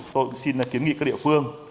tôi xin kiến nghị các địa phương